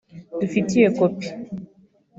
dufitiye kopi